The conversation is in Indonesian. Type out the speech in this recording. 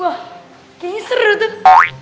wah kayaknya seru tuh